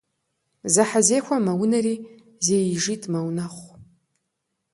Зэхьэзэхуэ мэунэри зэижитӏ мэунэхъу.